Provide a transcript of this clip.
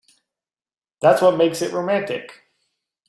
That's what makes it romantic.